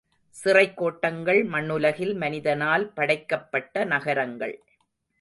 சிறைக் கோட்டங்கள் மண்ணுலகில் மனிதனால் படைக்கப்பட்ட நகரங்கள்.